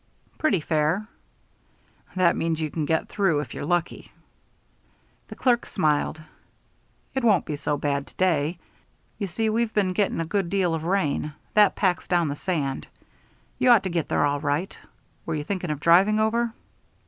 "Pretty fair." "That means you can get through if you're lucky." The clerk smiled. "It won't be so bad to day. You see we've been getting a good deal of rain. That packs down the sand. You ought to get there all right. Were you thinking of driving over?"